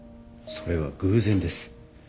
それは偶然です。